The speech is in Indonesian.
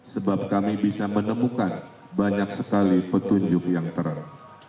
sebab kami bisa menemukan banyak sekali petunjuk yang terang